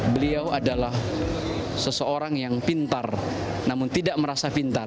beliau adalah seseorang yang pintar namun tidak merasa pintar